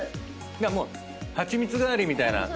もうハチミツ代わりみたいな。